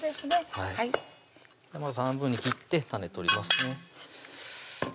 はいまず半分に切って種取りますね